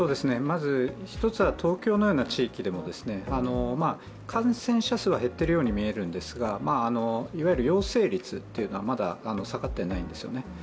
まず、１つは東京のような地域でも感染者数は減ってるように見えるんですがいわゆる陽性率はまだ下がってないんですよね。